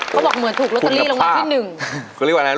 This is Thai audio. เขาบอกเหมือนถูกลอตเตอรี่ลงงานที่หนึ่ง